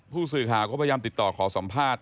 ผู้สื่อข่าวก็พยายามติดต่อขอสัมภาษณ์